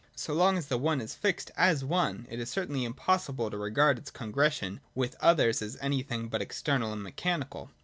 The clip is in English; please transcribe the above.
So long as the One is fixed as one, it is certainly impossible to regard its congression with others as anything but external and mechanical.